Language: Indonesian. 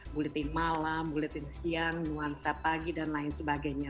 buletin malam buletin siang nuansa pagi dan lain sebagainya